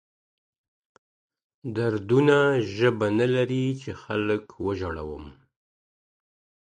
دردونه ژبه نه لري چي خلک وژړوم.